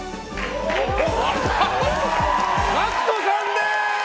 ＧＡＣＫＴさんです！